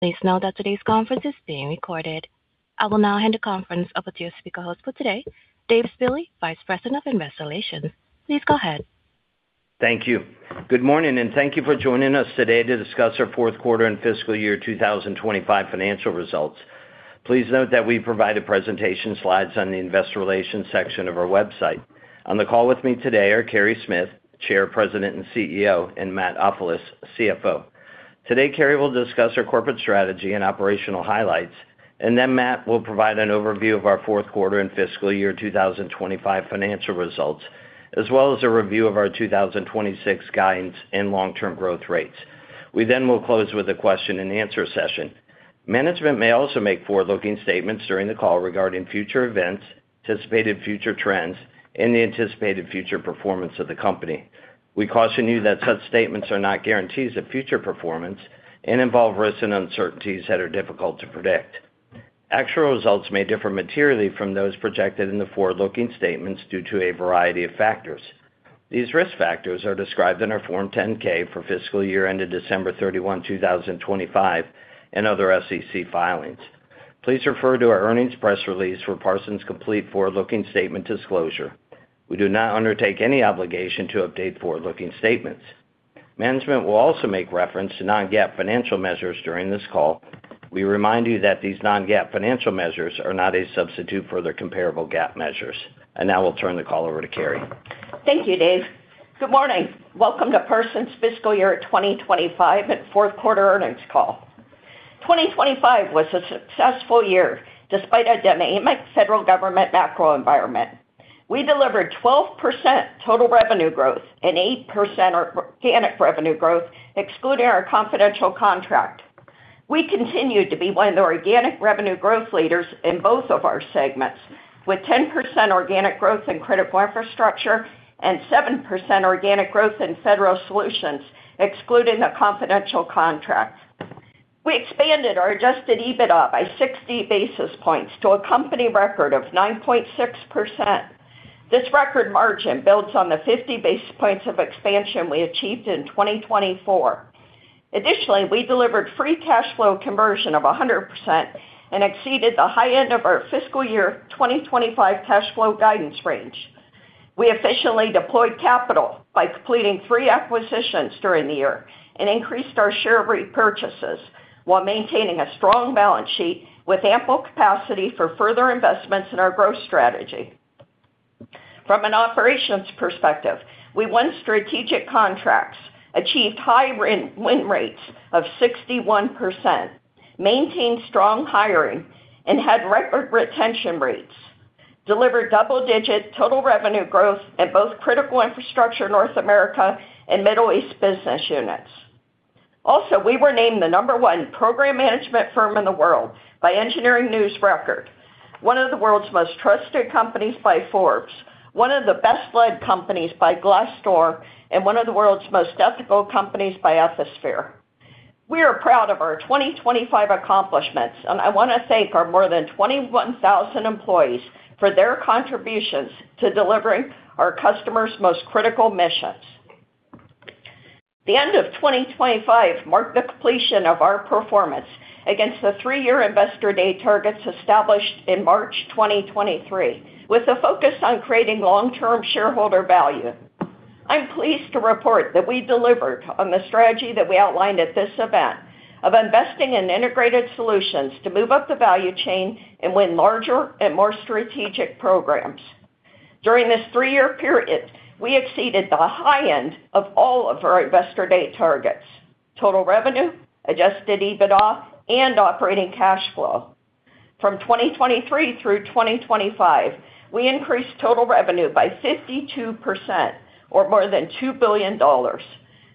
Please note that today's conference is being recorded. I will now hand the conference over to your speaker host for today, Dave Spille, Vice President of Investor Relations. Please go ahead. Thank you. Good morning, and thank you for joining us today to discuss our Q4 and FY 2025 financial results. Please note that we provided presentation slides on the Investor Relations section of our website. On the call with me today are Carey Smith, Chair, President, and CEO, and Matt Ofilos, CFO. Today, Carey will discuss our corporate strategy and operational highlights, and then Matt will provide an overview of our Q4 and FY 2025 financial results, as well as a review of our 2026 guidance and long-term growth rates. We then will close with a question-and-answer session. Management may also make forward-looking statements during the call regarding future events, anticipated future trends, and the anticipated future performance of the company. We caution you that such statements are not guarantees of future performance and involve risks and uncertainties that are difficult to predict. Actual results may differ materially from those projected in the forward-looking statements due to a variety of factors. These risk factors are described in our Form 10-K for FY ended December 31, 2025, and other SEC filings. Please refer to our earnings press release for Parsons' complete forward-looking statement disclosure. We do not undertake any obligation to update forward-looking statements. Management will also make reference to non-GAAP financial measures during this call. We remind you that these non-GAAP financial measures are not a substitute for their comparable GAAP measures. And now we'll turn the call over to Carey. Thank you, Dave. Good morning. Welcome to Parsons' FY 2025 and Q4 earnings call. 2025 was a successful year despite a dynamic federal government macro environment. We delivered 12% total revenue growth and 8% organic revenue growth, excluding our confidential contract. We continue to be one of the organic revenue growth leaders in both of our segments, with 10% organic growth in Critical Infrastructure and 7% organic growth in Federal Solutions, excluding the confidential contract. We expanded our Adjusted EBITDA by 60 basis points to a company record of 9.6%. This record margin builds on the 50 basis points of expansion we achieved in 2024. Additionally, we delivered free cash flow conversion of 100% and exceeded the high end of our FY 2025 cash flow guidance range. We efficiently deployed capital by completing three acquisitions during the year and increased our share repurchases while maintaining a strong balance sheet with ample capacity for further investments in our growth strategy. From an operations perspective, we won strategic contracts, achieved high win rates of 61%, maintained strong hiring, and had record retention rates. Delivered double-digit total revenue growth in both Critical Infrastructure North America and Middle East business units. Also, we were named the number one program management firm in the world by Engineering News-Record, one of the world's most trusted companies by Forbes, one of the best-led companies by Glassdoor, and one of the world's most ethical companies by Ethisphere. We are proud of our 2025 accomplishments, and I want to thank our more than 21,000 employees for their contributions to delivering our customers' most critical missions. The end of 2025 marked the completion of our performance against the three-year investor day targets established in March 2023, with a focus on creating long-term shareholder value. I'm pleased to report that we delivered on the strategy that we outlined at this event of investing in integrated solutions to move up the value chain and win larger and more strategic programs. During this three-year period, we exceeded the high end of all of our investor day targets: total revenue, adjusted EBITDA, and operating cash flow. From 2023 through 2025, we increased total revenue by 52%, or more than $2 billion.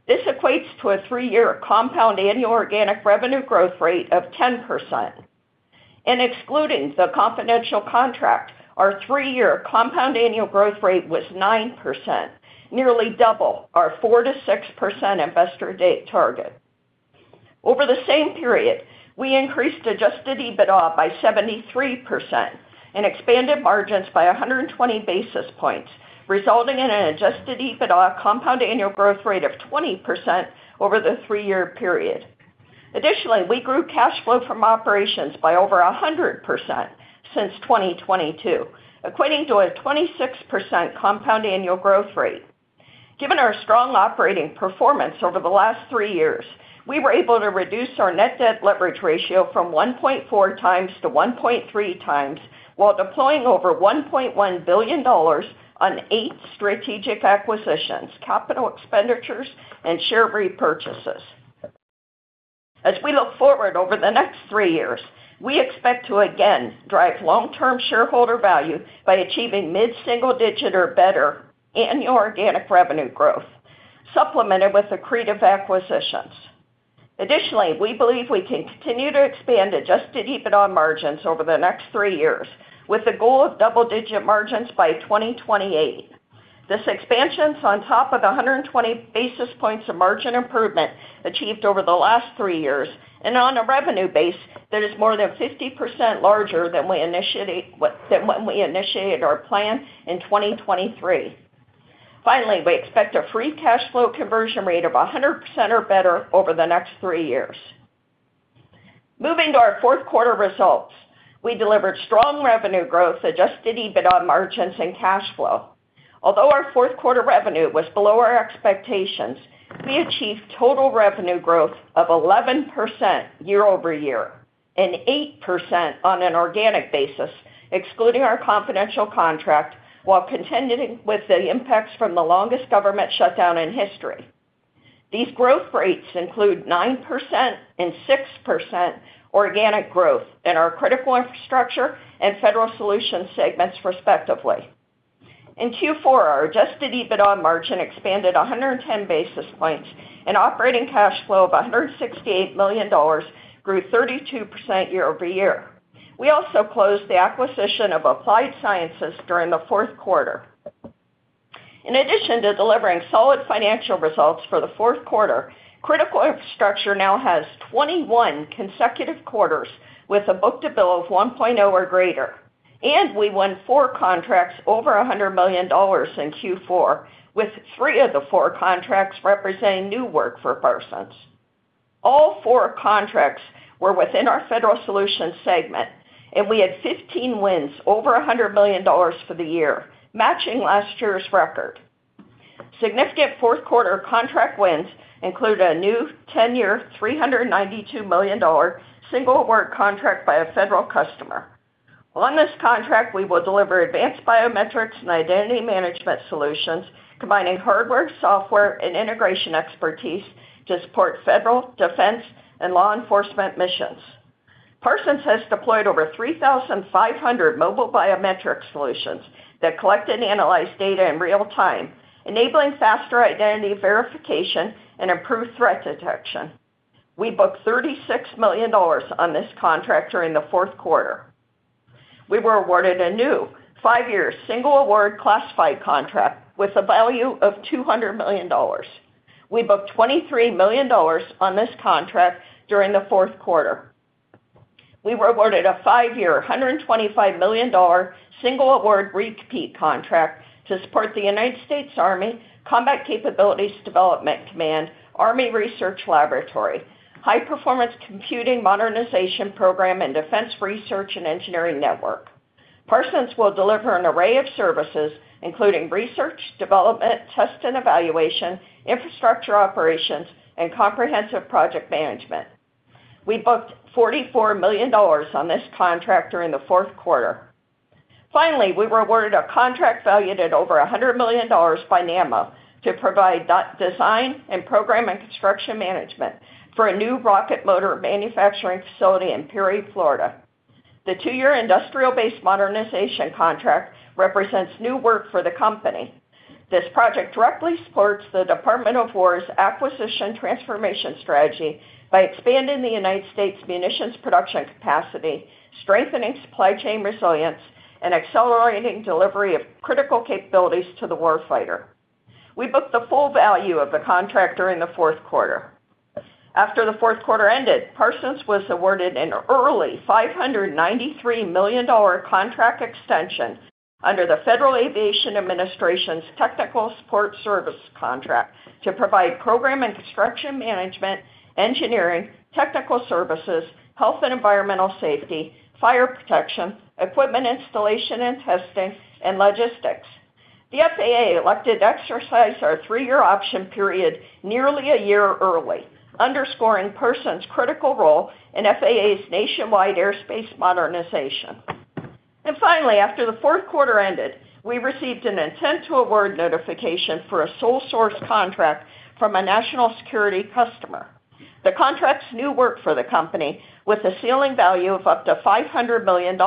This equates to a three-year compound annual organic revenue growth rate of 10%. Excluding the confidential contract, our three-year compound annual growth rate was 9%, nearly double our 4%-6% investor day target. Over the same period, we increased adjusted EBITDA by 73% and expanded margins by 120 basis points, resulting in an adjusted EBITDA compound annual growth rate of 20% over the three-year period. Additionally, we grew cash flow from operations by over 100% since 2022, equating to a 26% compound annual growth rate. Given our strong operating performance over the last three years, we were able to reduce our net debt leverage ratio from 1.4 times to 1.3 times while deploying over $1.1 billion on eight strategic acquisitions, capital expenditures, and share repurchases. As we look forward over the next three years, we expect to again drive long-term shareholder value by achieving mid-single digit or better annual organic revenue growth, supplemented with accretive acquisitions. Additionally, we believe we can continue to expand adjusted EBITDA margins over the next three years, with the goal of double-digit margins by 2028. This expansion is on top of the 120 basis points of margin improvement achieved over the last three years, and on a revenue base, that is more than 50% larger than when we initiated our plan in 2023. Finally, we expect a free cash flow conversion rate of 100% or better over the next three years. Moving to our Q4 results, we delivered strong revenue growth, adjusted EBITDA margins, and cash flow. Although our Q4 revenue was below our expectations, we achieved total revenue growth of 11% year-over-year and 8% on an organic basis, excluding our confidential contract, while contending with the impacts from the longest government shutdown in history. These growth rates include 9% and 6% organic growth in our Critical Infrastructure and Federal Solutions segments, respectively. In Q4, our adjusted EBITDA margin expanded 110 basis points, and operating cash flow of $168 million grew 32% year-over-year. We also closed the acquisition of Applied Sciences during the Q4. In addition to delivering solid financial results for the Q4, Critical Infrastructure now has 21 consecutive quarters with a book-to-bill of 1.0 or greater, and we won four contracts over $100 million in Q4, with three of the four contracts representing new work for Parsons. All four contracts were within our Federal Solutions segment, and we had 15 wins over $100 million for the year, matching last year's record. Significant Q4 contract wins include a new 10-year, $392 million single-work contract by a Federal customer. On this contract, we will deliver advanced biometrics and identity management solutions, combining hardware, software, and integration expertise to support federal defense and law enforcement missions. Parsons has deployed over 3,500 mobile biometric solutions that collect and analyze data in real time, enabling faster identity verification and improved threat detection. We booked $36 million on this contract during the Q4. We were awarded a new five-year single-award classified contract with a value of $200 million. We booked $23 million on this contract during the Q4. We were awarded a five-year $125 million single-award repeat contract to support the United States Army Combat Capabilities Development Command, Army Research Laboratory, High Performance Computing Modernization Program, and Defense Research and Engineering Network. Parsons will deliver an array of services, including research, development, test and evaluation, infrastructure operations, and comprehensive project management. We booked $44 million on this contract during the Q4. Finally, we were awarded a contract valued at over $100 million by Nammo to provide design, and program, and construction management for a new rocket motor manufacturing facility in Perry, Florida. The two-year industrial base modernization contract represents new work for the company. This project directly supports the Department of War's acquisition transformation strategy by expanding the United States' munitions production capacity, strengthening supply chain resilience, and accelerating delivery of critical capabilities to the warfighter. We booked the full value of the contract during the Q4. After the Q4 ended, Parsons was awarded an early $593 million contract extension under the Federal Aviation Administration's Technical Support Service contract to provide program and construction management, engineering, technical services, health and environmental safety, fire protection, equipment installation and testing, and logistics. The FAA elected to exercise our three-year option period nearly a year early, underscoring Parsons' critical role in FAA's nationwide airspace modernization. Finally, after the Q4 ended, we received an intent-to-award notification for a sole-source contract from a national security customer. The contract's new work for the company with a ceiling value of up to $500 million.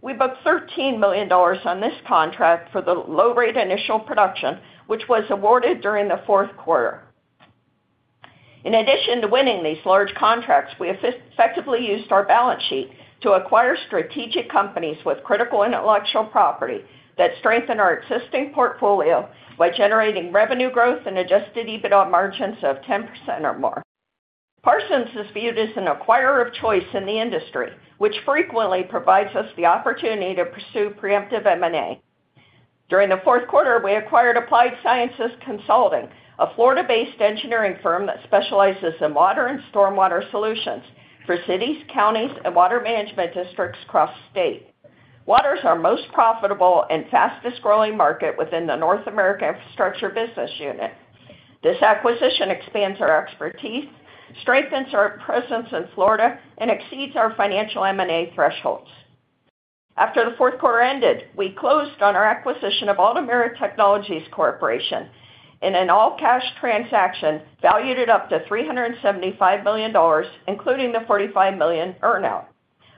We booked $13 million on this contract for the low-rate initial production, which was awarded during the Q4. In addition to winning these large contracts, we effectively used our balance sheet to acquire strategic companies with critical intellectual property that strengthen our existing portfolio by generating revenue growth and Adjusted EBITDA margins of 10% or more. Parsons is viewed as an acquirer of choice in the industry, which frequently provides us the opportunity to pursue preemptive M&A. During the Q4, we acquired Applied Sciences Consulting, a Florida-based engineering firm that specializes in water and stormwater solutions for cities, counties, and water management districts across the state. Water is the most profitable and fastest-growing market within the North American Infrastructure Business Unit. This acquisition expands our expertise, strengthens our presence in Florida, and exceeds our financial M&A thresholds. After the Q4 ended, we closed on our acquisition of Altamira Technologies Corporation in an all-cash transaction valued at up to $375 million, including the $45 million earnout.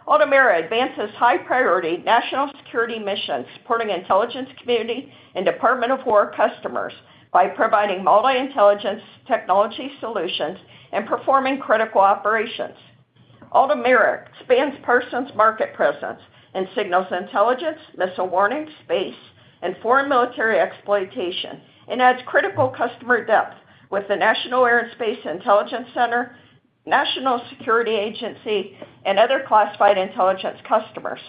Altamira advances high-priority national security missions supporting intelligence community and Department of War customers by providing multi-intelligence technology solutions and performing critical operations. Altamira expands Parsons' market presence and signals intelligence, missile warning, space, and foreign military exploitation, and adds critical customer depth with the National Air and Space Intelligence Center, National Security Agency, and other classified intelligence customers.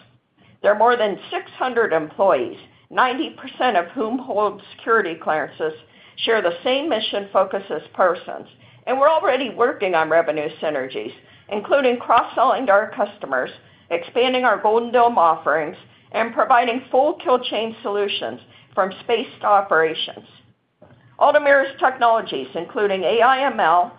There are more than 600 employees, 90% of whom hold security clearances, share the same mission focus as Parsons, and we're already working on revenue synergies, including cross-selling to our customers, expanding our Iron Dome offerings, and providing full kill-chain solutions from space to operations. Altamira's technologies, including AI/ML,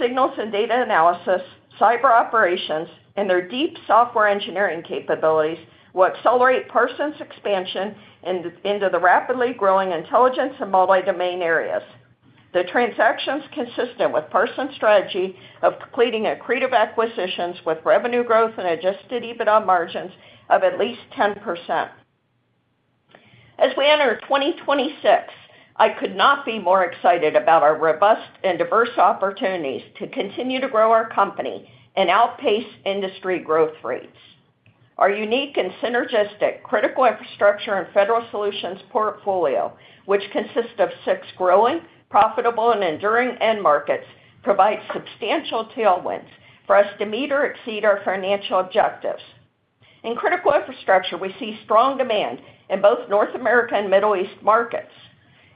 signals and data analysis, cyber operations, and their deep software engineering capabilities, will accelerate Parsons' expansion into the rapidly growing intelligence and multi-domain areas. The transaction's consistent with Parsons' strategy of completing accretive acquisitions with revenue growth and Adjusted EBITDA margins of at least 10%. As we enter 2026, I could not be more excited about our robust and diverse opportunities to continue to grow our company and outpace industry growth rates. Our unique and synergistic Critical Infrastructure and Federal Solutions portfolio, which consists of six growing, profitable, and enduring end markets, provides substantial tailwinds for us to meet or exceed our financial objectives. In Critical Infrastructure, we see strong demand in both North America and Middle East markets.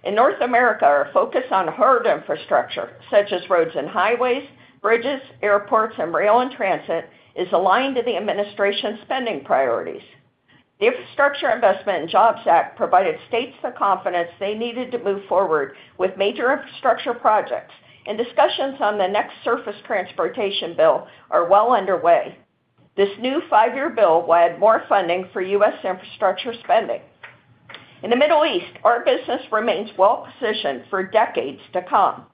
In North America, our focus on hard infrastructure, such as roads and highways, bridges, airports, and rail and transit, is aligned to the administration's spending priorities. The Infrastructure Investment and Jobs Act provided states the confidence they needed to move forward with major infrastructure projects, and discussions on the next surface transportation bill are well underway. This new five-year bill will add more funding for U.S. infrastructure spending. In the Middle East, our business remains well-positioned for decades to come.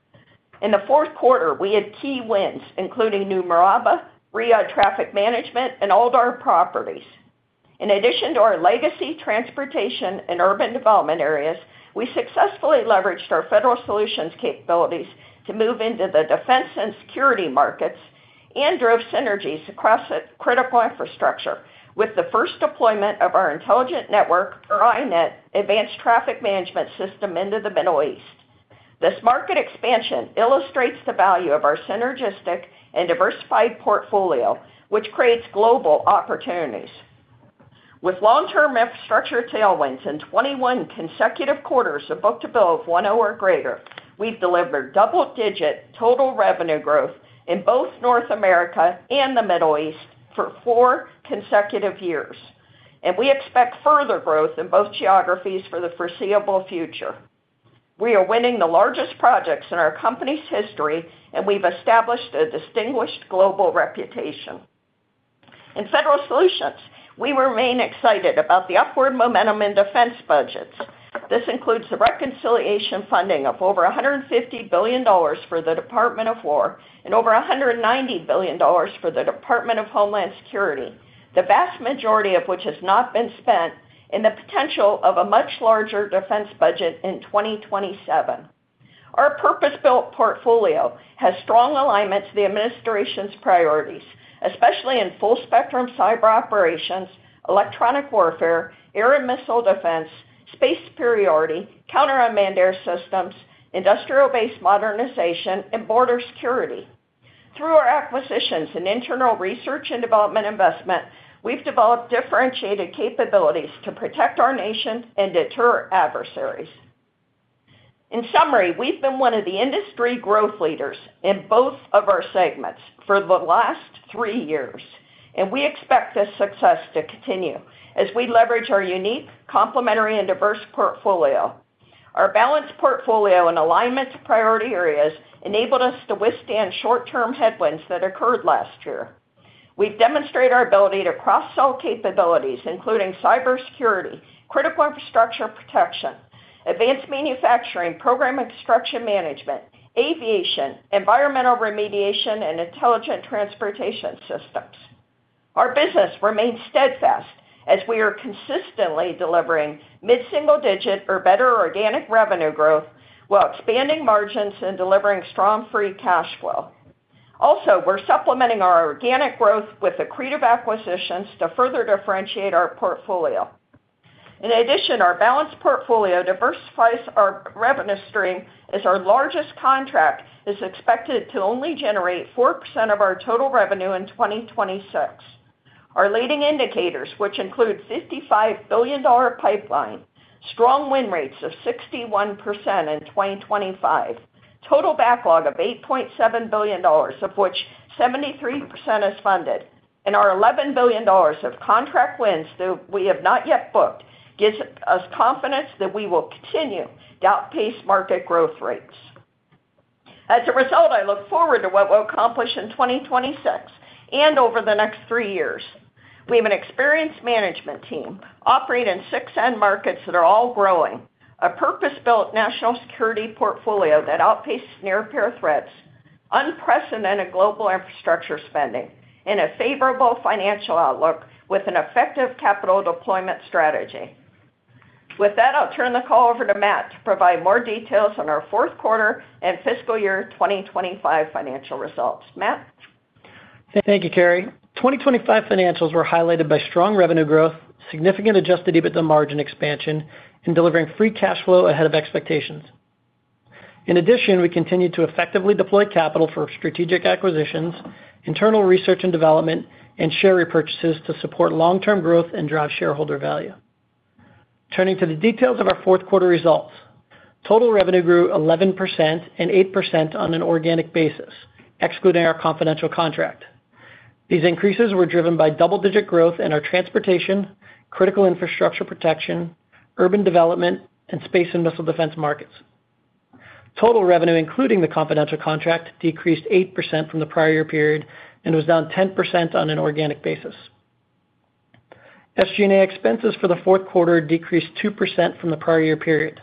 In the Q4, we had key wins, including New Murabba, Riyadh Traffic Management, and Aldar Properties. In addition to our legacy transportation and urban development areas, we successfully leveraged our Federal Solutions capabilities to move into the defense and security markets and drove synergies across Critical Infrastructure with the first deployment of our intelligent network, or iNET, advanced traffic management system into the Middle East. This market expansion illustrates the value of our synergistic and diversified portfolio, which creates global opportunities. With long-term infrastructure tailwinds and 21 consecutive quarters of book-to-bill of 10 or greater, we've delivered double-digit total revenue growth in both North America and the Middle East for four consecutive years, and we expect further growth in both geographies for the foreseeable future. We are winning the largest projects in our company's history, and we've established a distinguished global reputation. In Federal Solutions, we remain excited about the upward momentum in defense budgets. This includes the reconciliation funding of over $150 billion for the Department of War and over $190 billion for the Department of Homeland Security, the vast majority of which has not been spent, and the potential of a much larger defense budget in 2027. Our purpose-built portfolio has strong alignment to the administration's priorities, especially in full-spectrum cyber operations, electronic warfare, air and missile defense, space superiority, counter-unmanned aircraft systems, industrial base modernization, and border security. Through our acquisitions and internal research and development investment, we've developed differentiated capabilities to protect our nation and deter adversaries. In summary, we've been one of the industry growth leaders in both of our segments for the last three years, and we expect this success to continue as we leverage our unique, complementary, and diverse portfolio. Our balanced portfolio and alignment to priority areas enabled us to withstand short-term headwinds that occurred last year. We've demonstrated our ability to cross-sell capabilities, including cybersecurity, Critical Infrastructure Protection, advanced manufacturing, program and construction management, aviation, environmental remediation, and intelligent transportation systems. Our business remains steadfast as we are consistently delivering mid-single-digit or better organic revenue growth while expanding margins and delivering strong free cash flow. Also, we're supplementing our organic growth with accretive acquisitions to further differentiate our portfolio. In addition, our balanced portfolio diversifies our revenue stream as our largest contract is expected to only generate 4% of our total revenue in 2026. Our leading indicators, which include $55 billion pipeline, strong win rates of 61% in 2025, total backlog of $8.7 billion, of which 73% is funded, and our $11 billion of contract wins that we have not yet booked gives us confidence that we will continue to outpace market growth rates. As a result, I look forward to what we'll accomplish in 2026 and over the next three years. We have an experienced management team operating in six end markets that are all growing, a purpose-built national security portfolio that outpaces near-peer threats, unprecedented global infrastructure spending, and a favorable financial outlook with an effective capital deployment strategy. With that, I'll turn the call over to Matt to provide more details on our Q4 and FY 2025 financial results. Matt? Thank you, Carey. 2025 financials were highlighted by strong revenue growth, significant Adjusted EBITDA margin expansion, and delivering free cash flow ahead of expectations. In addition, we continue to effectively deploy capital for strategic acquisitions, internal research and development, and share repurchases to support long-term growth and drive shareholder value. Turning to the details of our Q4 results, total revenue grew 11% and 8% on an organic basis, excluding our confidential contract. These increases were driven by double-digit growth in our transportation, Critical Infrastructure Protection, urban development, and Space and Missile Mefense markets. Total revenue, including the confidential contract, decreased 8% from the prior year period and was down 10% on an organic basis. SG&A expenses for the Q4 decreased 2% from the prior year period.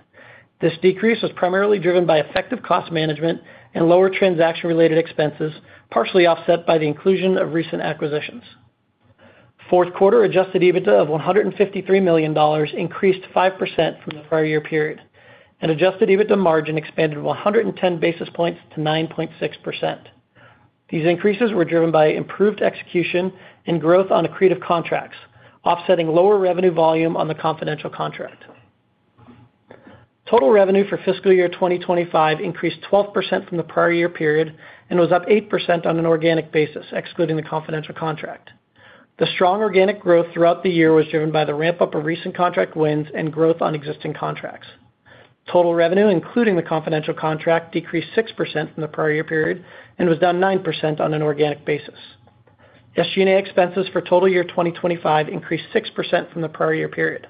This decrease was primarily driven by effective cost management and lower transaction-related expenses, partially offset by the inclusion of recent acquisitions. Q4 adjusted EBITDA of $153 million increased 5% from the prior year period, and adjusted EBITDA margin expanded 110 basis points to 9.6%. These increases were driven by improved execution and growth on accretive contracts, offsetting lower revenue volume on the confidential contract. Total revenue for FY 2025 increased 12% from the prior year period and was up 8% on an organic basis, excluding the confidential contract. The strong organic growth throughout the year was driven by the ramp-up of recent contract wins and growth on existing contracts. Total revenue, including the confidential contract, decreased 6% from the prior year period and was down 9% on an organic basis. SG&A expenses for total year 2025 increased 6% from the prior year period.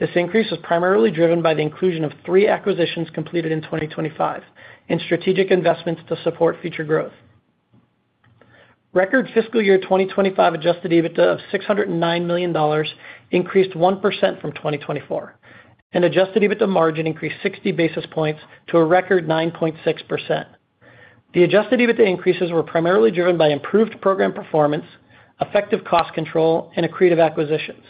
This increase was primarily driven by the inclusion of three acquisitions completed in 2025 and strategic investments to support future growth. Record FY 2025 Adjusted EBITDA of $609 million increased 1% from 2024, and Adjusted EBITDA margin increased 60 basis points to a record 9.6%. The Adjusted EBITDA increases were primarily driven by improved program performance, effective cost control, and accretive acquisitions.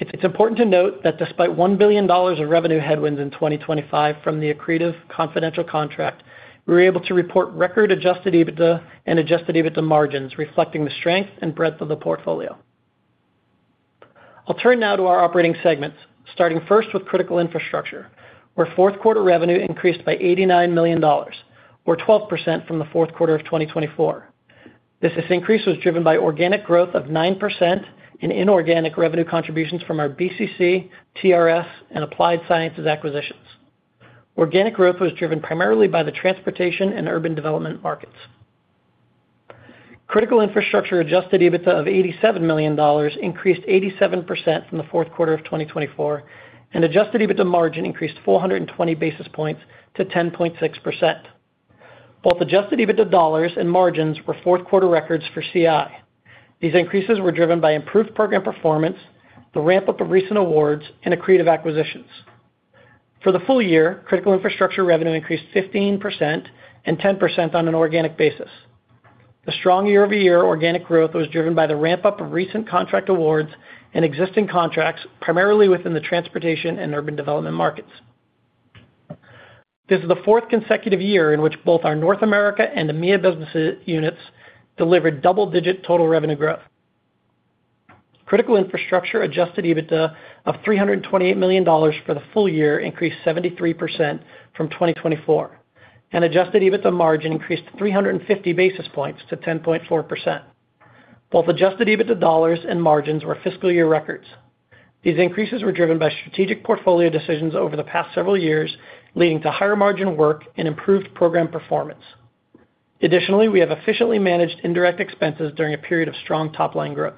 It's important to note that despite $1 billion of revenue headwinds in 2025 from the accretive confidential contract, we were able to report record Adjusted EBITDA and Adjusted EBITDA margins reflecting the strength and breadth of the portfolio. I'll turn now to our operating segments, starting first with Critical Infrastructure, where Q4 revenue increased by $89 million, or 12% from the Q4 of 2024. This increase was driven by organic growth of 9% and inorganic revenue contributions from our BCC, TRS, and Applied Sciences acquisitions. Organic growth was driven primarily by the transportation and urban development markets. Critical Infrastructure adjusted EBITDA of $87 million increased 87% from the Q4 of 2024, and adjusted EBITDA margin increased 420 basis points to 10.6%. Both adjusted EBITDA dollars and margins were Q4 records for CI. These increases were driven by improved program performance, the ramp-up of recent awards, and accretive acquisitions. For the full year, Critical Infrastructure revenue increased 15% and 10% on an organic basis. The strong year-over-year organic growth was driven by the ramp-up of recent contract awards and existing contracts, primarily within the transportation and urban development markets. This is the fourth consecutive year in which both our North America and EMEA business units delivered double-digit total revenue growth. Critical Infrastructure adjusted EBITDA of $328 million for the full year increased 73% from 2024, and adjusted EBITDA margin increased 350 basis points to 10.4%. Both adjusted EBITDA dollars and margins were FY records. These increases were driven by strategic portfolio decisions over the past several years, leading to higher margin work and improved program performance. Additionally, we have efficiently managed indirect expenses during a period of strong top-line growth.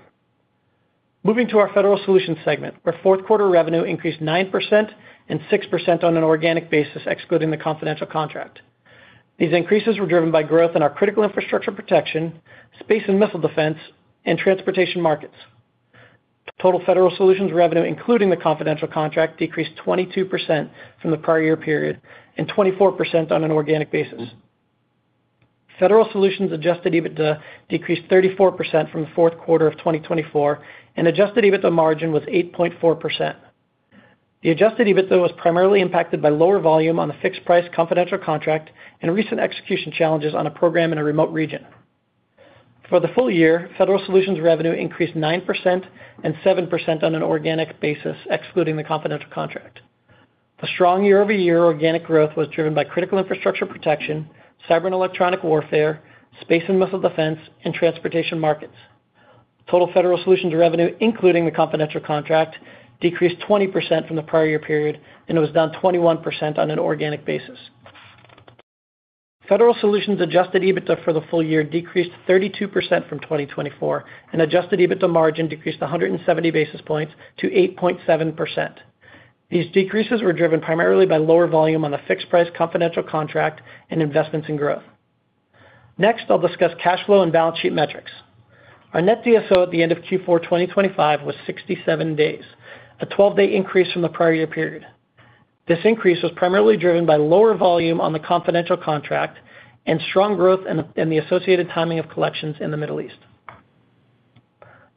Moving to our Federal Solutions segment, where Q4 revenue increased 9% and 6% on an organic basis, excluding the confidential contract. These increases were driven by growth in our Critical Infrastructure Protection, Space and Missile Defense, and transportation markets. Total Federal Solutions revenue, including the confidential contract, decreased 22% from the prior year period and 24% on an organic basis. Federal Solutions Adjusted EBITDA decreased 34% from the Q4 of 2024, and Adjusted EBITDA margin was 8.4%. The Adjusted EBITDA was primarily impacted by lower volume on the fixed-price confidential contract and recent execution challenges on a program in a remote region. For the full year, Federal Solutions revenue increased 9% and 7% on an organic basis, excluding the confidential contract. The strong year-over-year organic growth was driven by Critical Infrastructure Protection, cyber and electronic warfare, Space and Missile Defense, and transportation markets. Total Federal Solutions revenue, including the confidential contract, decreased 20% from the prior year period and was down 21% on an organic basis. Federal Solutions Adjusted EBITDA for the full year decreased 32% from 2024, and Adjusted EBITDA margin decreased 170 basis points to 8.7%. These decreases were driven primarily by lower volume on the fixed-price confidential contract and investments in growth. Next, I'll discuss cash flow and balance sheet metrics. Our net DSO at the end of Q4 2025 was 67 days, a 12-day increase from the prior year period. This increase was primarily driven by lower volume on the confidential contract and strong growth in the associated timing of collections in the Middle East.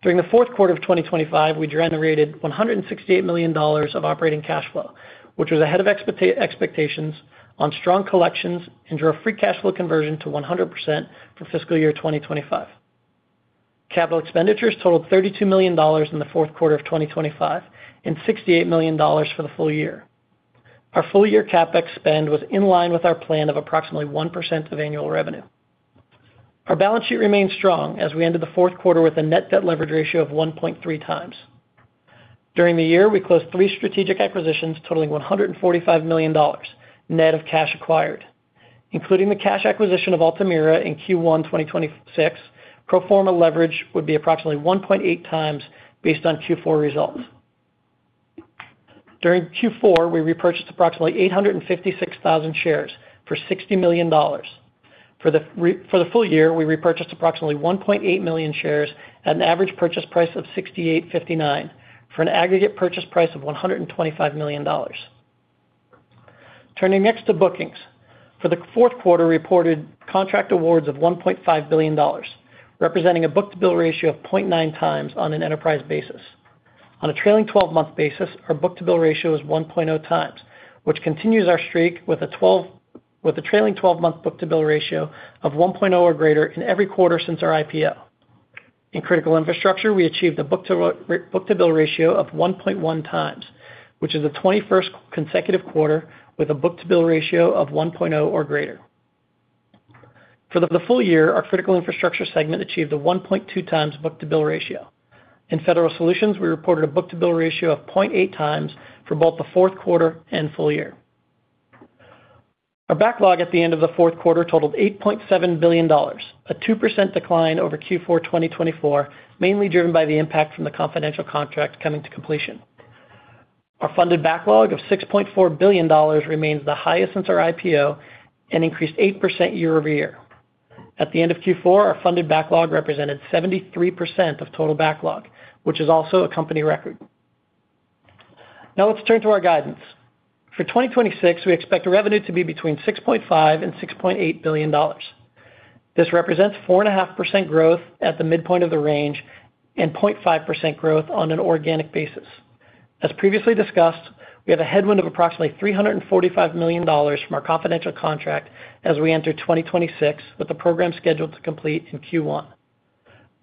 During the Q4 of 2025, we generated $168 million of operating cash flow, which was ahead of expectations on strong collections and drove free cash flow conversion to 100% for FY 2025. Capital expenditures totaled $32 million in the Q4 of 2025 and $68 million for the full year. Our full-year CapEx spend was in line with our plan of approximately 1% of annual revenue. Our balance sheet remained strong as we ended the Q4 with a net debt leverage ratio of 1.3 times. During the year, we closed three strategic acquisitions totaling $145 million net of cash acquired. Including the cash acquisition of Altamira in Q1 2026, pro forma leverage would be approximately 1.8 times based on Q4 results. During Q4, we repurchased approximately 856,000 shares for $60 million. For the full year, we repurchased approximately 1.8 million shares at an average purchase price of $68.59 for an aggregate purchase price of $125 million. Turning next to bookings, for the Q4, we reported contract awards of $1.5 billion, representing a book-to-bill ratio of 0.9 times on an enterprise basis. On a trailing 12-month basis, our book-to-bill ratio is 1.0 times, which continues our streak with a trailing 12-month book-to-bill ratio of 1.0 or greater in every quarter since our IPO. In Critical Infrastructure, we achieved a book-to-bill ratio of 1.1 times, which is the 21st consecutive quarter with a book-to-bill ratio of 1.0 or greater. For the full year, our Critical Infrastructure segment achieved a 1.2 times book-to-bill ratio. In Federal Solutions, we reported a book-to-bill ratio of 0.8 times for both the Q4 and full year. Our backlog at the end of the Q4 totaled $8.7 billion, a 2% decline over Q4 2024, mainly driven by the impact from the confidential contract coming to completion. Our funded backlog of $6.4 billion remains the highest since our IPO and increased 8% year-over-year. At the end of Q4, our funded backlog represented 73% of total backlog, which is also a company record. Now, let's turn to our guidance. For 2026, we expect revenue to be between $6.5-$6.8 billion. This represents 4.5% growth at the midpoint of the range and 0.5% growth on an organic basis. As previously discussed, we have a headwind of approximately $345 million from our confidential contract as we enter 2026, with the program scheduled to complete in Q1.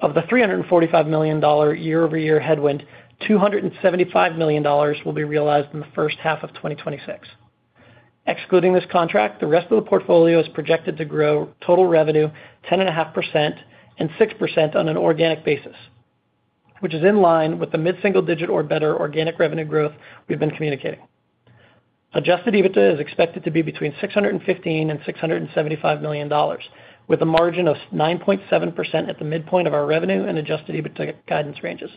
Of the $345 million year-over-year headwind, $275 million will be realized in the H1 of 2026. Excluding this contract, the rest of the portfolio is projected to grow total revenue 10.5% and 6% on an organic basis, which is in line with the mid-single digit or better organic revenue growth we've been communicating. Adjusted EBITDA is expected to be between $615 million-$675 million, with a margin of 9.7% at the midpoint of our revenue and Adjusted EBITDA guidance ranges.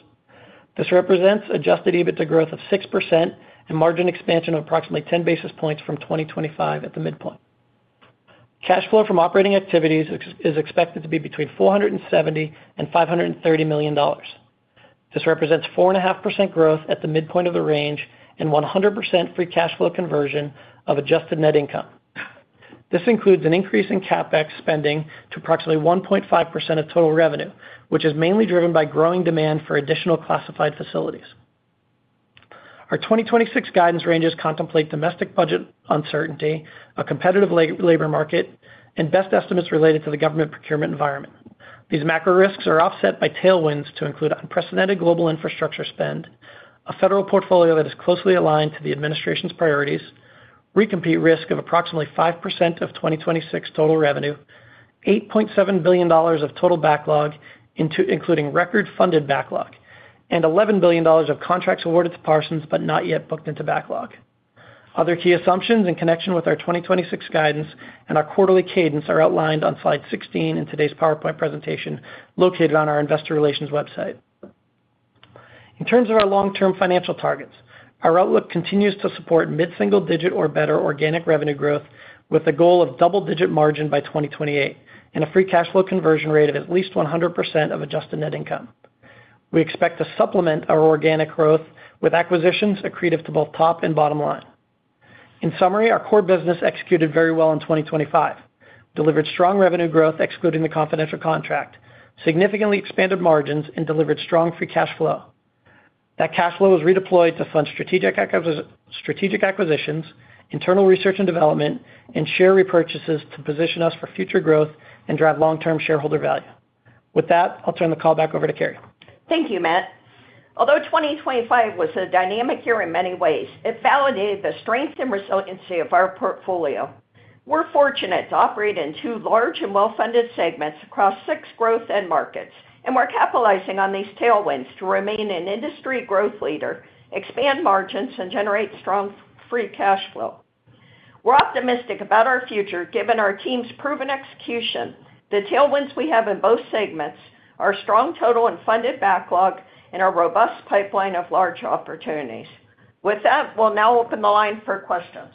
This represents adjusted EBITDA growth of 6% and margin expansion of approximately 10 basis points from 2025 at the midpoint. Cash flow from operating activities is expected to be between $470 million-$530 million. This represents 4.5% growth at the midpoint of the range and 100% free cash flow conversion of adjusted net income. This includes an increase in CapEx spending to approximately 1.5% of total revenue, which is mainly driven by growing demand for additional classified facilities. Our 2026 guidance ranges contemplate domestic budget uncertainty, a competitive labor market, and best estimates related to the government procurement environment. These macro risks are offset by tailwinds to include unprecedented global infrastructure spend, a Federal portfolio that is closely aligned to the administration's priorities, recompete risk of approximately 5% of 2026 total revenue, $8.7 billion of total backlog including record funded backlog, and $11 billion of contracts awarded to Parsons but not yet booked into backlog. Other key assumptions in connection with our 2026 guidance and our quarterly cadence are outlined on slide 16 in today's PowerPoint presentation located on our investor relations website. In terms of our long-term financial targets, our outlook continues to support mid-single digit or better organic revenue growth with a goal of double-digit margin by 2028 and a free cash flow conversion rate of at least 100% of adjusted net income. We expect to supplement our organic growth with acquisitions accretive to both top and bottom line. In summary, our core business executed very well in 2025, delivered strong revenue growth excluding the confidential contract, significantly expanded margins, and delivered strong free cash flow. That cash flow was redeployed to fund strategic acquisitions, internal research and development, and share repurchases to position us for future growth and drive long-term shareholder value. With that, I'll turn the call back over to Carey. Thank you, Matt. Although 2025 was a dynamic year in many ways, it validated the strength and resiliency of our portfolio. We're fortunate to operate in two large and well-funded segments across six growth end markets, and we're capitalizing on these tailwinds to remain an industry growth leader, expand margins, and generate strong free cash flow. We're optimistic about our future given our team's proven execution, the tailwinds we have in both segments, our strong total and funded backlog, and our robust pipeline of large opportunities. With that, we'll now open the line for questions.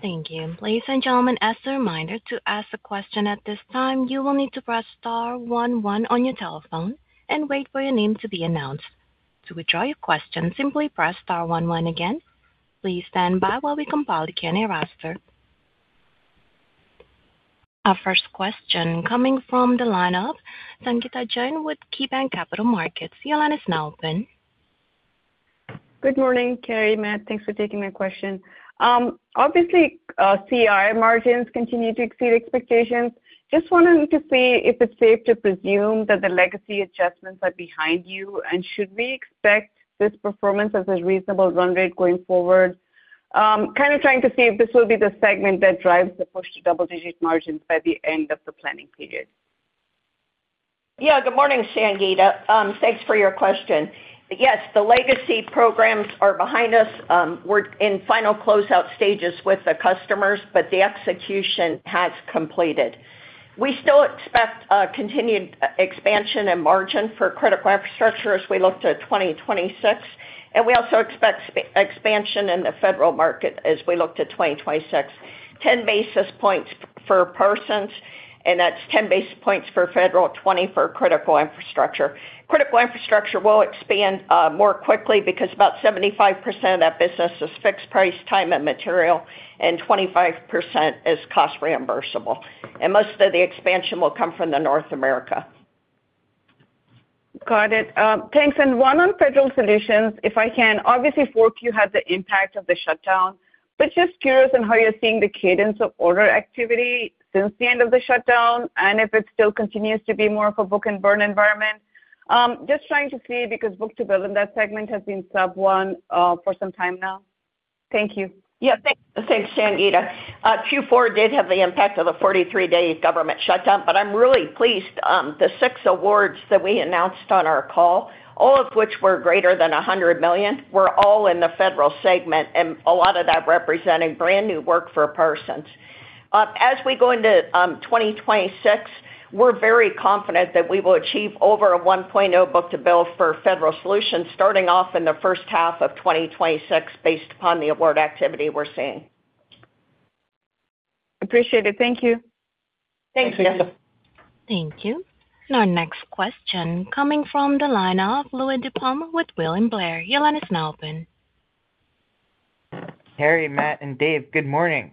Thank you. Ladies and gentlemen, as a reminder to ask a question at this time, you will need to press star one one on your telephone and wait for your name to be announced. To withdraw your question, simply press star one one again. Please stand by while we compile the Q&A roster. Our first question coming from the lineup, Sangita Jain with KeyBanc Capital Markets. Your line is now open. Good morning, Carey. Matt, thanks for taking my question. Obviously, CI margins continue to exceed expectations. Just wanted to see if it's safe to presume that the legacy adjustments are behind you, and should we expect this performance as a reasonable run rate going forward? Kind of trying to see if this will be the segment that drives the push to double-digit margins by the end of the planning period. Yeah, good morning, Sangita. Thanks for your question. Yes, the legacy programs are behind us. We're in final closeout stages with the customers, but the execution has completed. We still expect continued expansion and margin for Critical Infrastructure as we look to 2026, and we also expect expansion in the Federal market as we look to 2026. 10 basis points for Parsons, and that's 10 basis points for Federal, 20 for Critical Infrastructure. Critical Infrastructure will expand more quickly because about 75% of that business is fixed-price time and material, and 25% is cost reimbursable. Most of the expansion will come from North America. Got it. Thanks. One on Federal Solutions, if I can. Obviously, Carey, you had the impact of the shutdown, but just curious on how you're seeing the cadence of order activity since the end of the shutdown, and if it still continues to be more of a book-and-burn environment. Just trying to see because book-to-bill in that segment has been sub-one for some time now. Thank you. Yeah, thanks, Sangita. Q4 did have the impact of the 43-day government shutdown, but I'm really pleased. The six awards that we announced on our call, all of which were greater than $100 million, were all in the Federal segment, and a lot of that representing brand new work for Parsons. As we go into 2026, we're very confident that we will achieve over a 1.0 book-to-bill for Federal Solutions starting off in the H1 of 2026, based upon the award activity we're seeing. Appreciate it. Thank you. Thank you. Thank you. Thank you. And our next question coming from the lineup, Louie DiPalma with William Blair. Your line is now open. Carey, Matt, and Dave, good morning.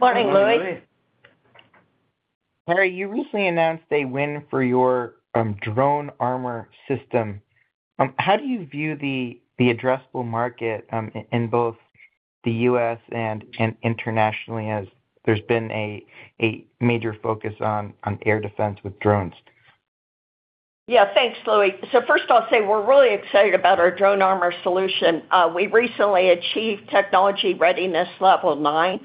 Morning, Louis. Carey, you recently announced a win for your DroneArmor system. How do you view the addressable market in both the U.S. and internationally, as there's been a major focus on air defense with drones? Yeah, thanks, Louis. So first, I'll say we're really excited about our DroneArmor solution. We recently achieved Technology Readiness Level 9,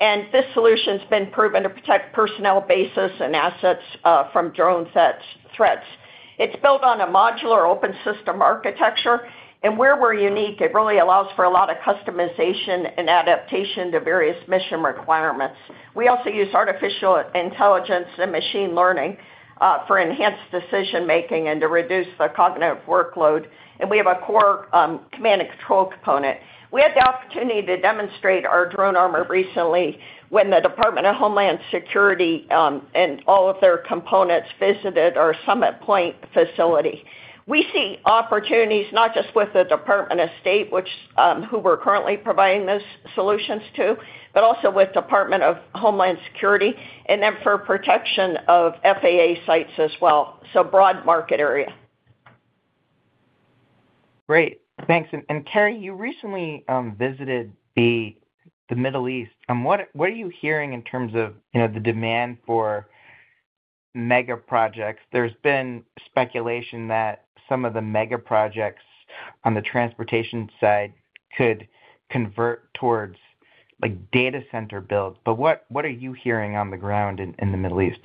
and this solution's been proven to protect personnel, bases, and assets from drone threats. It's built on a modular open system architecture, and where we're unique, it really allows for a lot of customization and adaptation to various mission requirements. We also use artificial intelligence and machine learning for enhanced decision-making and to reduce the cognitive workload, and we have a core command and control component. We had the opportunity to demonstrate our DroneArmor recently when the Department of Homeland Security and all of their components visited our Summit Point facility. We see opportunities not just with the Department of State, who we're currently providing those solutions to, but also with the Department of Homeland Security, and then for protection of FAA sites as well, so broad market area. Great. Thanks. And Carey, you recently visited the Middle East. What are you hearing in terms of the demand for mega projects? There's been speculation that some of the mega projects on the transportation side could convert towards data center builds, but what are you hearing on the ground in the Middle East?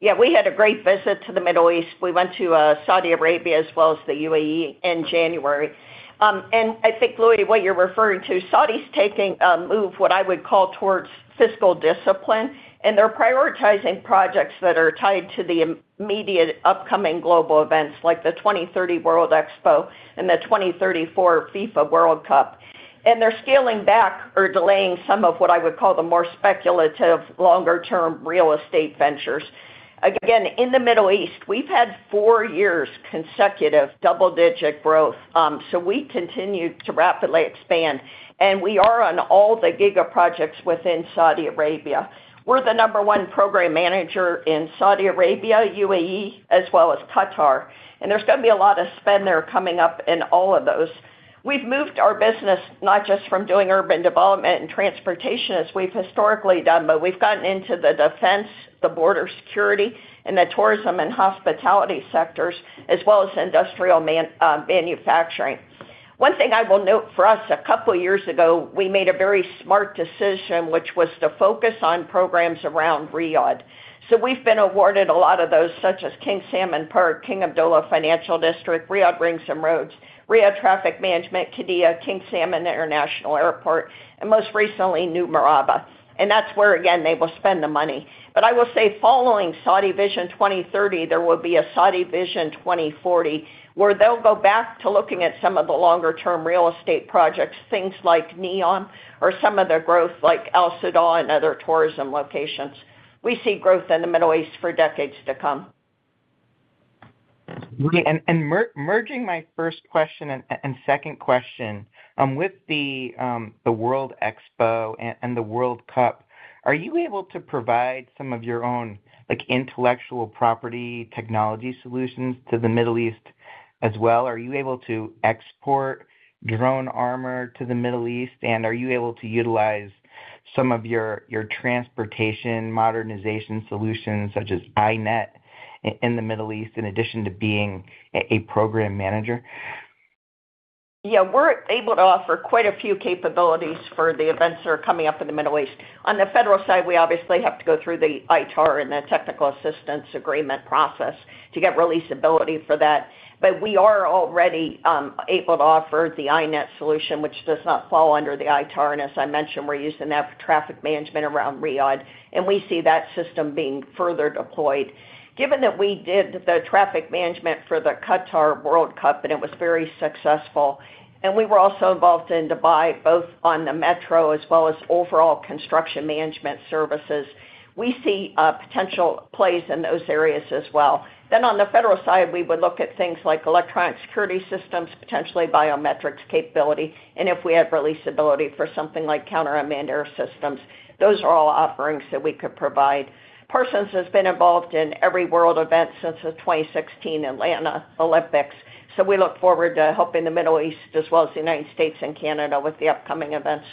Yeah, we had a great visit to the Middle East. We went to Saudi Arabia as well as the UAE in January. And I think, Louie, what you're referring to, Saudi's taking a move, what I would call, towards fiscal discipline, and they're prioritizing projects that are tied to the immediate upcoming global events like the 2030 World Expo and the 2034 FIFA World Cup. And they're scaling back or delaying some of what I would call the more speculative, longer-term real estate ventures. Again, in the Middle East, we've had four years consecutive double-digit growth, so we continue to rapidly expand, and we are on all the giga projects within Saudi Arabia. We're the number one program manager in Saudi Arabia, UAE, as well as Qatar, and there's going to be a lot of spend there coming up in all of those. We've moved our business not just from doing urban development and transportation as we've historically done, but we've gotten into the defense, the border security, and the tourism and hospitality sectors, as well as industrial manufacturing. One thing I will note for us, a couple of years ago, we made a very smart decision, which was to focus on programs around Riyadh. So we've been awarded a lot of those, such as King Salman Park, King Abdullah Financial District, Riyadh Rings and Roads, Riyadh Traffic Management, Qiddiya, King Salman International Airport, and most recently, New Murabba. And that's where, again, they will spend the money. But I will say following Saudi Vision 2030, there will be a Saudi Vision 2040 where they'll go back to looking at some of the longer-term real estate projects, things like NEOM or some of the growth like Al Soudan, and other tourism locations. We see growth in the Middle East for decades to come. And merging my first question and second question with the World Expo and the World Cup, are you able to provide some of your own intellectual property technology solutions to the Middle East as well? Are you able to export DroneArmor to the Middle East, and are you able to utilize some of your transportation modernization solutions, such as iNET in the Middle East in addition to being a program manager? Yeah, we're able to offer quite a few capabilities for the events that are coming up in the Middle East. On the Federal side, we obviously have to go through the ITAR and the technical assistance agreement process to get releasability for that, but we are already able to offer the iNET solution, which does not fall under the ITAR. As I mentioned, we're using that for traffic management around Riyadh, and we see that system being further deployed. Given that we did the traffic management for the Qatar World Cup, and it was very successful, and we were also involved in Dubai, both on the metro as well as overall construction management services, we see potential plays in those areas as well. On the Federal side, we would look at things like electronic security systems, potentially biometrics capability, and if we had releasability for something like counter-unmanned aircraft systems. Those are all offerings that we could provide. Parsons has been involved in every world event since the 2016 Atlanta Olympics, so we look forward to helping the Middle East, as well as the United States and Canada, with the upcoming events.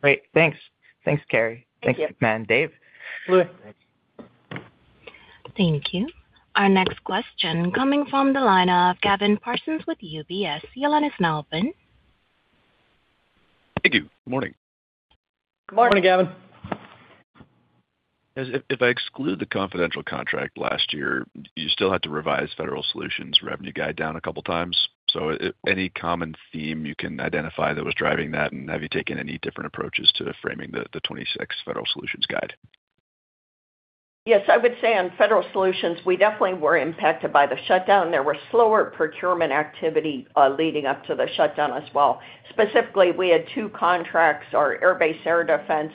Great. Thanks. Thanks, Carey. Thanks, Matt and Dave. Louis. Thank you. Our next question coming from the lineup, Gavin Parsons with UBS. Your line is now open. Thank you. Good morning. Good morning, Gavin. If I exclude the confidential contract last year, you still had to revise Federal Solutions Revenue Guide down a couple of times. So, any common theme you can identify that was driving that, and have you taken any different approaches to framing the 2026 Federal Solutions Guide? Yes, I would say on Federal Solutions, we definitely were impacted by the shutdown. There were slower procurement activity leading up to the shutdown as well. Specifically, we had two contracts, our Air Base Air Defense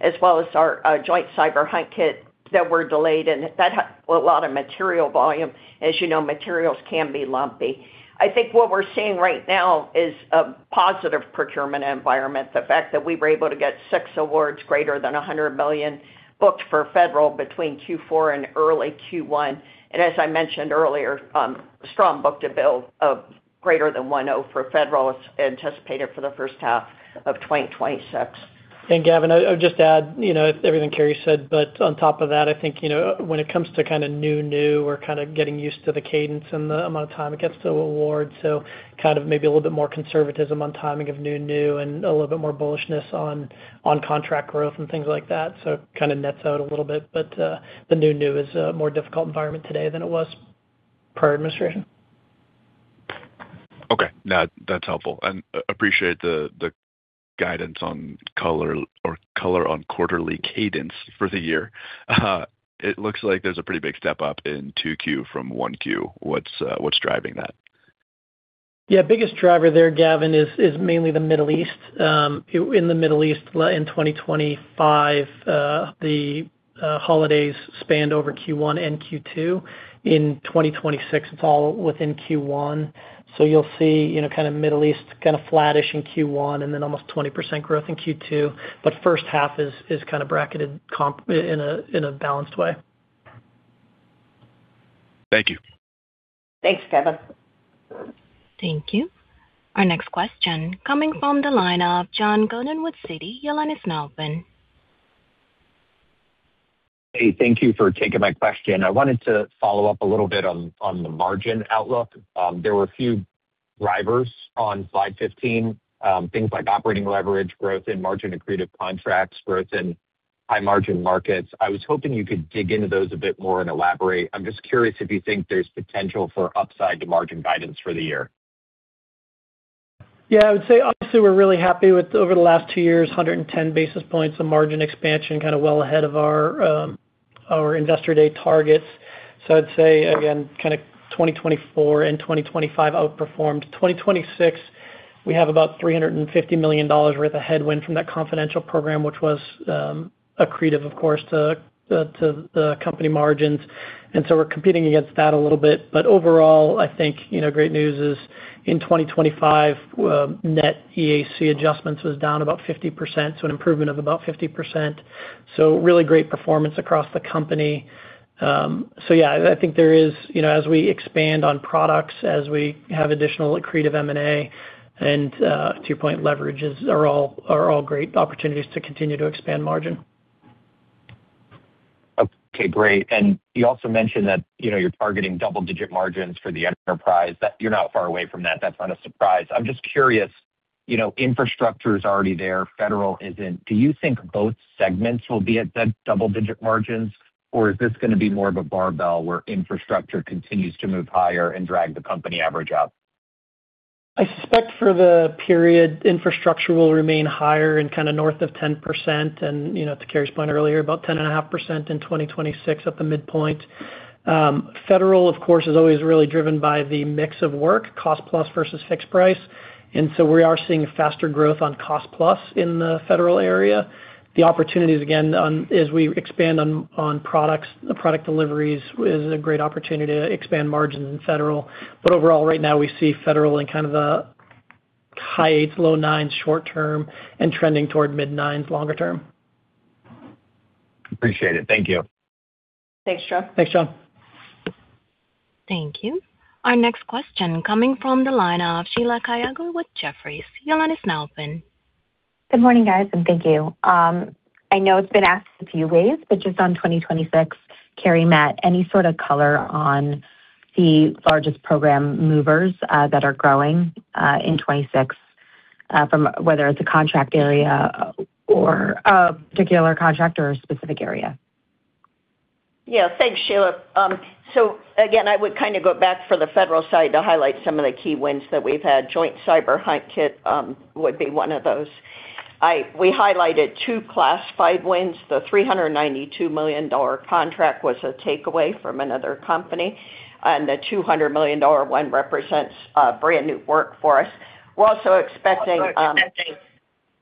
as well as our Joint Cyber Hunt Kit, that were delayed, and that had a lot of material volume. As you know, materials can be lumpy. I think what we're seeing right now is a positive procurement environment, the fact that we were able to get six awards greater than $100 million booked for Federal between Q4 and early Q1. And as I mentioned earlier, strong book-to-bill of greater than 10 for Federal is anticipated for the H1 of 2026. And Gavin, I'll just add to everything Carey said, but on top of that, I think when it comes to kind of new, new, we're kind of getting used to the cadence and the amount of time it gets to award, so kind of maybe a little bit more conservatism on timing of new, new, and a little bit more bullishness on contract growth and things like that. So kind of nets out a little bit, but the new, new is a more difficult environment today than it was prior administration. Okay. No, that's helpful. And appreciate the guidance on color or color on quarterly cadence for the year. It looks like there's a pretty big step up in Q2 from Q1. What's driving that? Yeah, biggest driver there, Gavin, is mainly the Middle East. In the Middle East, in 2025, the holidays spanned over Q1 and Q2. In 2026, it's all within Q1. So you'll see kind of Middle East kind of flattish in Q1, and then almost 20% growth in Q2, but H1 is kind of bracketed in a balanced way. Thank you. Thanks, Gavin. Thank you. Our next question coming from the lineup, John Godyn with Citi. Your line is now open. Hey, thank you for taking my question. I wanted to follow up a little bit on the margin outlook. There were a few drivers on slide 15, things like operating leverage, growth in margin, and creative contracts, growth in high-margin markets. I was hoping you could dig into those a bit more and elaborate. I'm just curious if you think there's potential for upside to margin guidance for the year. Yeah, I would say obviously we're really happy with over the last two years, 110 basis points of margin expansion, kind of well ahead of our investor day targets. So I'd say, again, kind of 2024 and 2025 outperformed. 2026, we have about $350 million worth of headwind from that confidential program, which was accretive, of course, to the company margins. And so we're competing against that a little bit. But overall, I think great news is in 2025, net EAC adjustments was down about 50%, so an improvement of about 50%. So, really great performance across the company. So yeah, I think there is, as we expand on products, as we have additional accretive M&A, and to your point, leverages are all great opportunities to continue to expand margin. Okay, great. And you also mentioned that you're targeting double-digit margins for the enterprise. You're not far away from that. That's not a surprise. I'm just curious, infrastructure is already there. Federal isn't. Do you think both segments will be at that double-digit margins, or is this going to be more of a barbell where infrastructure continues to move higher and drag the company average out? I suspect for the period, infrastructure will remain higher and kind of north of 10%, and to Carey's point earlier, about 10.5% in 2026 at the midpoint. Federal, of course, is always really driven by the mix of work, cost-plus versus fixed price. And so we are seeing faster growth on cost-plus in the Federal area. The opportunities, again, as we expand on products, product deliveries is a great opportunity to expand margins in federal. But overall, right now, we see Federal in kind of the high eights, low nines short-term and trending toward mid-nines longer-term. Appreciate it. Thank you. Thanks, John. Thanks, John. Thank you. Our next question coming from the lineup, Sheila Kahyaoglu with Jefferies. Your line is now open. Good morning, guys, and thank you. I know it's been asked a few ways, but just on 2026, Carey, Matt, any sort of color on the largest program movers that are growing in '26, whether it's a contract area or a particular contract or a specific area? Yeah, thanks, Sheila. So again, I would kind of go back for the Federal side to highlight some of the key wins that we've had. Joint Cyber Hunt Kit would be one of those. We highlighted two classified wins. The $392 million contract was a takeaway from another company, and the $200 million one represents brand new work for us. We're also expecting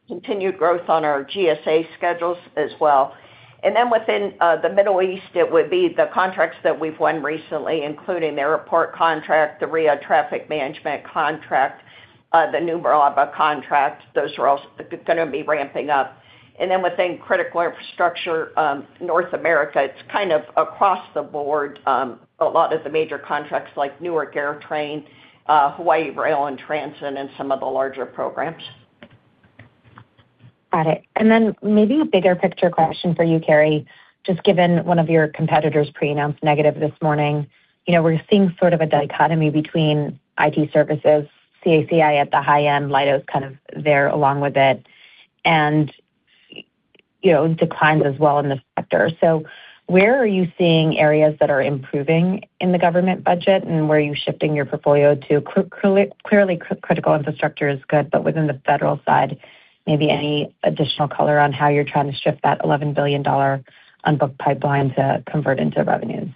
continued growth on our GSA schedules as well. And then within the Middle East, it would be the contracts that we've won recently, including their airport contract, the Riyadh Traffic Management contract, the New Murabba contract. Those are all going to be ramping up. And then within Critical Infrastructure, North America, it's kind of across the board, a lot of the major contracts like Newark AirTrain, Hawaii Rail and Transit, and some of the larger programs. Got it. And then maybe a bigger picture question for you, Carey, just given one of your competitors pre-announced negative this morning. We're seeing sort of a dichotomy between IT services, CACI at the high end, Leidos kind of there along with it, and declines as well in the sector. So, where are you seeing areas that are improving in the government budget, and where are you shifting your portfolio to? Clearly, Critical Infrastructure is good, but within the Federal side, maybe any additional color on how you're trying to shift that $11 billion unbooked pipeline to convert into revenues?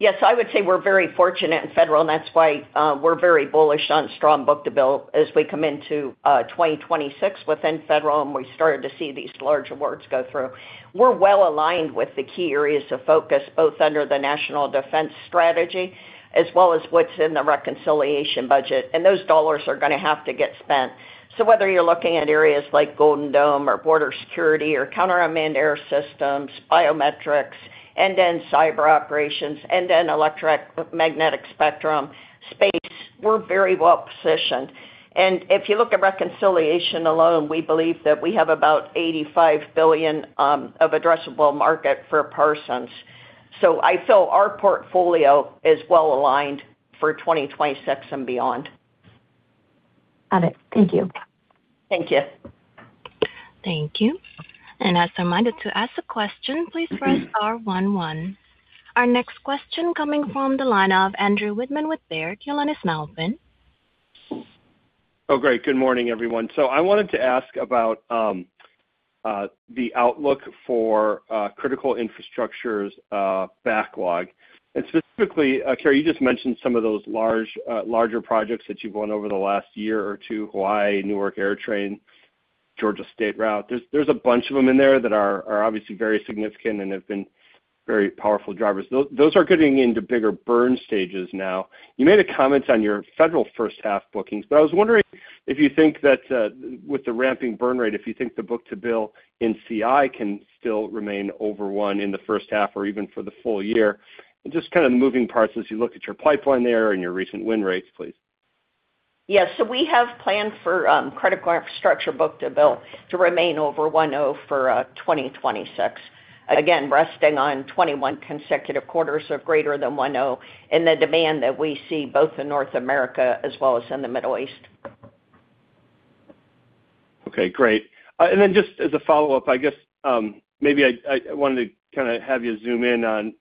Yeah, so I would say we're very fortunate in federal, and that's why we're very bullish on strong book-to-bill as we come into 2026 within federal, and we started to see these large awards go through. We're well aligned with the key areas of focus, both under the national defense strategy as well as what's in the reconciliation budget, and those dollars are going to have to get spent. So whether you're looking at areas like Iron Dome or border security or counter-unmanned aircraft systems, biometrics, and then cyber operations, and then electromagnetic spectrum, space, we're very well positioned. And if you look at reconciliation alone, we believe that we have about $85 billion of addressable market for Parsons. So I feel our portfolio is well aligned for 2026 and beyond. Got it. Thank you. Thank you. Thank you. And as a reminder to ask a question, please press star one one. Our next question coming from the line, Andrew Wittmann with Baird. Your line is now open. Oh, great. Good morning, everyone. So I wanted to ask about the outlook for Critical Infrastructure's backlog. And specifically, Carey, you just mentioned some of those larger projects that you've won over the last year or two, Hawaii, Newark AirTrain, Georgia State Route. There's a bunch of them in there that are obviously very significant and have been very powerful drivers. Those are getting into bigger burn stages now. You made a comment on your Federal H1 bookings, but I was wondering if you think that with the ramping burn rate, if you think the book-to-bill in CI can still remain over one in the H1 or even for the full year, and just kind of moving parts as you look at your pipeline there and your recent win rates, please. Yeah, so we have planned for Critical Infrastructure book-to-bill to remain over 1.0 for 2026, again, resting on 21 consecutive quarters of greater than 1.0 in the demand that we see both in North America as well as in the Middle East. Okay, great. And then just as a follow-up, I guess maybe I wanted to kind of have you zoom in on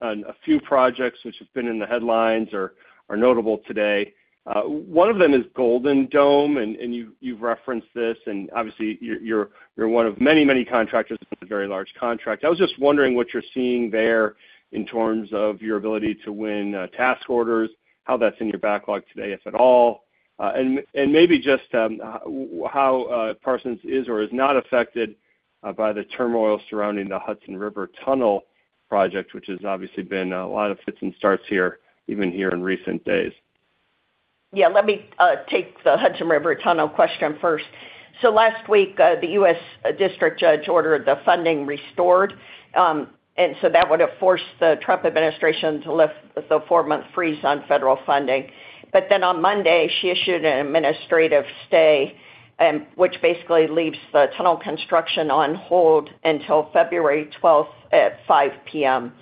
a few projects which have been in the headlines or notable today. One of them is Iron Dome, and you've referenced this, and obviously, you're one of many, many contractors with a very large contract. I was just wondering what you're seeing there in terms of your ability to win task orders, how that's in your backlog today, if at all, and maybe just how Parsons is or is not affected by the turmoil surrounding the Hudson River Tunnel project, which has obviously been a lot of fits and starts here, even here in recent days. Yeah, let me take the Hudson River Tunnel question first. So last week, the U.S. District Judge ordered the funding restored, and so that would have forced the Trump administration to lift the four-month freeze on Federal funding. But then on Monday, she issued an administrative stay, which basically leaves the tunnel construction on hold until February 12th at 5:00 P.M.,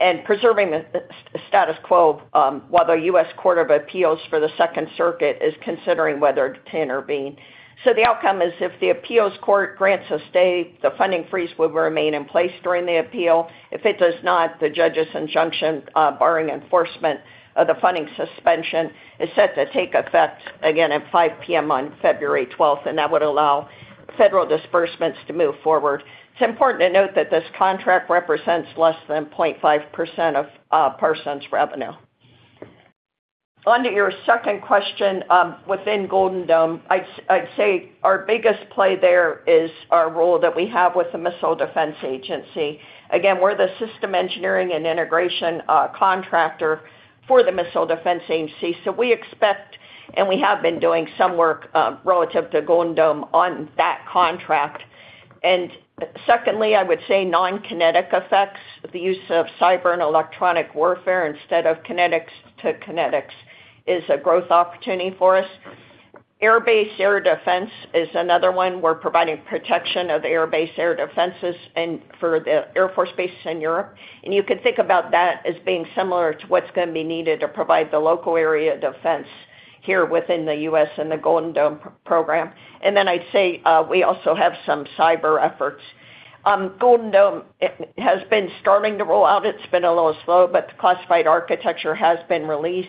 and preserving the status quo while the U.S. Court of Appeals for the Second Circuit is considering whether to intervene. So the outcome is if the appeals court grants a stay, the funding freeze would remain in place during the appeal. If it does not, the judge's injunction barring enforcement of the funding suspension is set to take effect, again, at 5:00 P.M. on February 12th, and that would allow Federal disbursements to move forward. It's important to note that this contract represents less than 0.5% of Parsons' revenue. Under your second question within Iron Dome, I'd say our biggest play there is our role that we have with the Missile Defense Agency. Again, we're the Systems Engineering and Integration contractor for the Missile Defense Agency, so we expect, and we have been doing some work relative to Iron Dome on that contract. And secondly, I would say non-kinetic effects, the use of cyber and electronic warfare instead of kinetics to kinetics, is a growth opportunity for us. Air Base Air Defense is another one. We're providing protection of Air Base Air Defenses for the Air Force bases in Europe. And you can think about that as being similar to what's going to be needed to provide the local area defense here within the U.S. and the Iron Dome program. And then I'd say we also have some cyber efforts. Iron Dome has been starting to roll out. It's been a little slow, but the classified architecture has been released.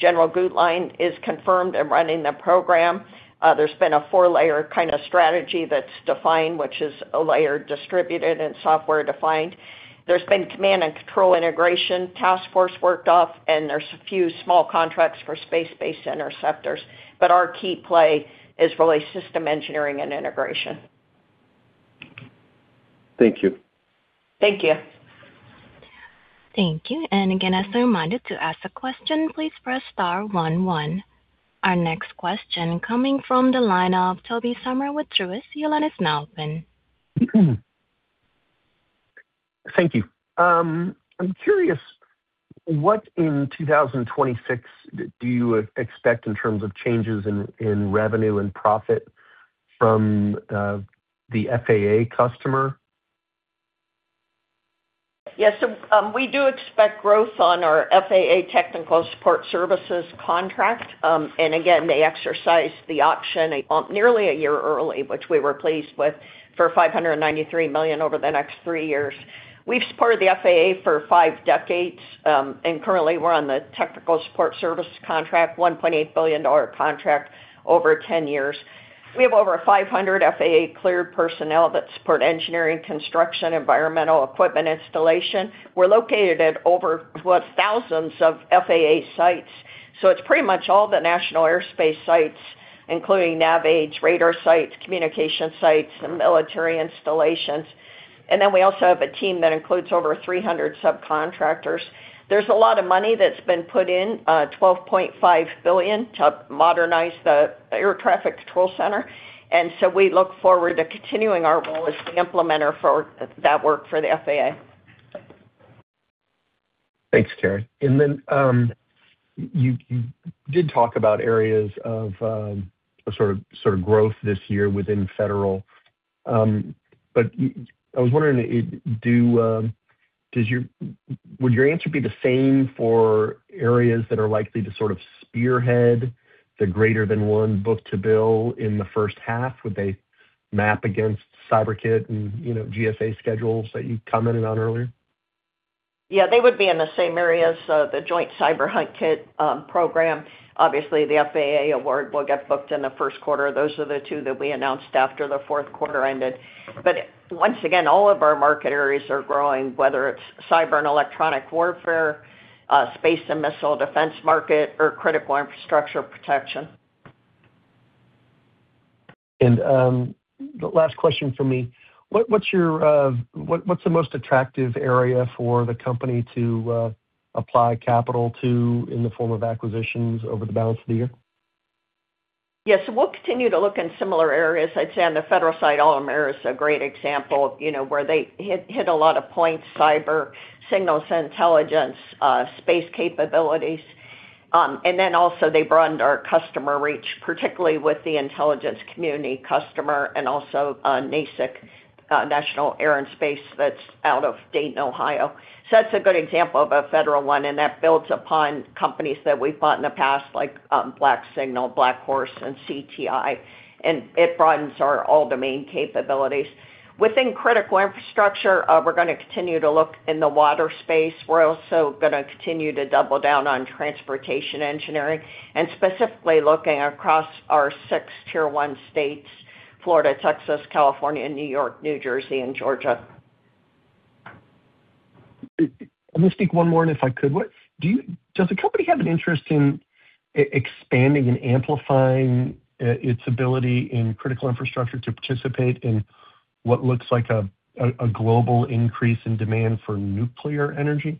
General Guetlein is confirmed in running the program. There's been a four-layer kind of strategy that's defined, which is a layer distributed and software-defined. There's been command and control integration, task force worked off, and there's a few small contracts for space-based interceptors. But our key play is really systems engineering and integration. Thank you. Thank you. Thank you. And again, as a reminder to ask a question, please press star one one. Our next question coming from the lineup, Tobey Sommer with Truist Securities. Your line is now open. Thank you. I'm curious, what in 2026 do you expect in terms of changes in revenue and profit from the FAA customer? Yeah, so we do expect growth on our FAA technical support services contract. And again, they exercised the option nearly a year early, which we were pleased with, for $593 million over the next three years. We've supported the FAA for five decades, and currently, we're on the technical support service contract, $1.8 billion contract over 10 years. We have over 500 FAA-cleared personnel that support engineering, construction, environmental equipment, installation. We're located at over what, thousands of FAA sites. So it's pretty much all the national airspace sites, including NavAids, radar sites, communication sites, and military installations. And then we also have a team that includes over 300 subcontractors. There's a lot of money that's been put in, $12.5 billion, to modernize the Air Traffic Control Center. And so we look forward to continuing our role as the implementer for that work for the FAA. Thanks, Carey. And then you did talk about areas of sort of growth this year within federal, but I was wondering, would your answer be the same for areas that are likely to sort of spearhead the greater-than-one book-to-bill in the first half? Would they map against Cyber Hunt Kit and GSA schedules that you commented on earlier? Yeah, they would be in the same areas. The Joint Cyber Hunt Kit program, obviously, the FAA award will get booked in the Q1. Those are the two that we announced after the Q4 ended. But once again, all of our market areas are growing, whether it's cyber and electronic warfare, Space and Missile Defense market, or Critical Infrastructure protection. And the last question from me, what's the most attractive area for the company to apply capital to in the form of acquisitions over the balance of the year? Yeah, so we'll continue to look in similar areas, I'd say, on the Federal side. Altamira is a great example where they hit a lot of points, cyber, signals, and intelligence, space capabilities. And then also, they broadened our customer reach, particularly with the intelligence community customer and also NASIC, National Air and Space Intelligence Center, that's out of Dayton, Ohio. So that's a good example of a Federal one, and that builds upon companies that we've bought in the past, like Black Signal, Black Horse, and CTI. And it broadens all domain capabilities. Within Critical Infrastructure, we're going to continue to look in the water space. We're also going to continue to double down on transportation engineering and specifically looking across our six Tier 1 states, Florida, Texas, California, New York, New Jersey, and Georgia. Let me speak one more if I could. Does the company have an interest in expanding and amplifying its ability in Critical Infrastructure to participate in what looks like a global increase in demand for nuclear energy?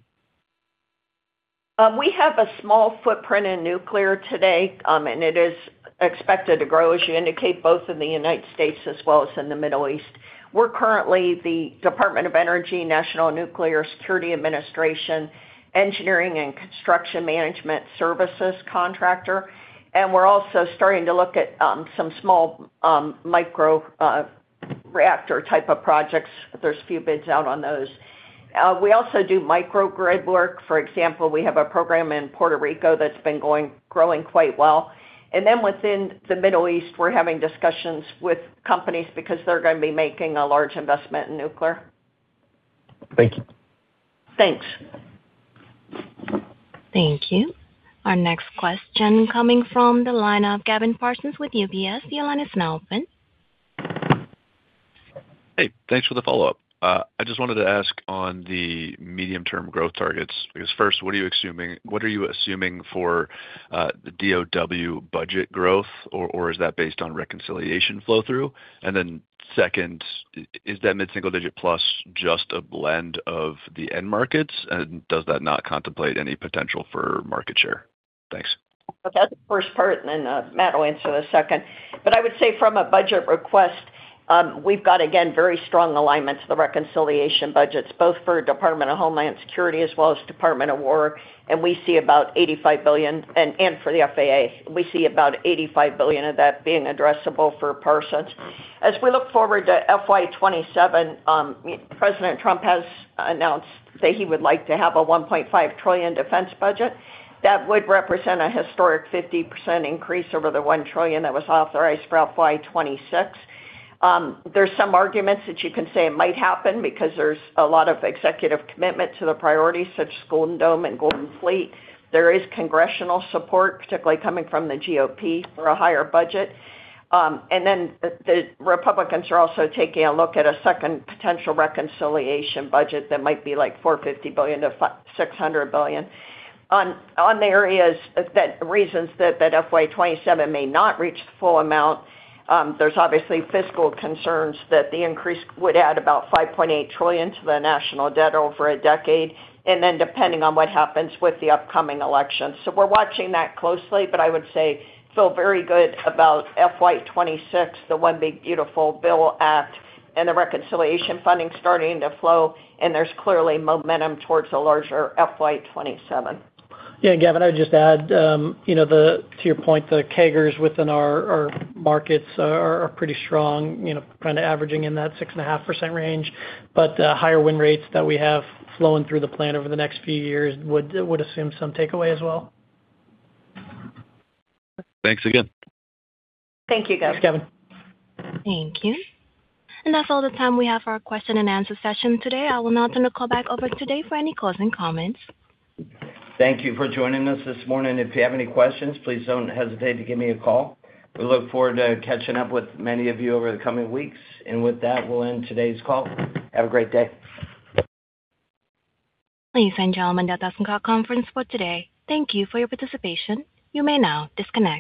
We have a small footprint in nuclear today, and it is expected to grow, as you indicate, both in the United States as well as in the Middle East. We're currently the Department of Energy, National Nuclear Security Administration, Engineering and Construction Management Services contractor, and we're also starting to look at some small microreactor type of projects. There's a few bids out on those. We also do microgrid work. For example, we have a program in Puerto Rico that's been growing quite well. And then within the Middle East, we're having discussions with companies because they're going to be making a large investment in nuclear. Thank you. Thanks. Thank you. Our next question coming from the lineup, Gavin Parsons with UBS. Your line is now open. Hey, thanks for the follow-up. I just wanted to ask on the medium-term growth targets. I guess first, what are you assuming for the DOW budget growth, or is that based on reconciliation flow-through? And then second, is that mid-single-digit plus just a blend of the end markets, and does that not contemplate any potential for market share? Thanks. Okay, that's the first part, and then Matt will answer the second. But I would say from a budget request, we've got, again, very strong alignment to the reconciliation budgets, both for Department of Homeland Security as well as Department of War. And we see about $85 billion, and for the FAA, we see about $85 billion of that being addressable for Parsons. As we look forward to FY 2027, President Trump has announced that he would like to have a $1.5 trillion defense budget. That would represent a historic 50% increase over the $1 trillion that was authorized for FY 2026. There's some arguments that you can say it might happen because there's a lot of executive commitment to the priorities, such as Iron Dome and Golden Fleet. There is congressional support, particularly coming from the GOP, for a higher budget. And then the Republicans are also taking a look at a second potential reconciliation budget that might be like $450 billion-$600 billion. On the areas, reasons that FY 2027 may not reach the full amount, there's obviously fiscal concerns that the increase would add about $5.8 trillion to the national debt over a decade, and then depending on what happens with the upcoming elections. So we're watching that closely, but I would say feel very good about FY 2026, the One Big Beautiful Bill Act, and the reconciliation funding starting to flow, and there's clearly momentum towards a larger FY 2027. Yeah, and Gavin, I would just add to your point, the CAGRs within our markets are pretty strong, kind of averaging in that 6.5% range. But higher win rates that we have flowing through the plan over the next few years would assume some takeaway as well. Thanks again. Thank you, Gavin. Thanks, Gavin. Thank you. And that's all the time we have for our question-and-answer session today. I will now turn the call back over to Dave for any calls and comments. Thank you for joining us this morning. If you have any questions, please don't hesitate to give me a call. We look forward to catching up with many of you over the coming weeks. And with that, we'll end today's call. Have a great day. Ladies and gentlemen, that does conclude our conference for today. Thank you for your participation. You may now disconnect.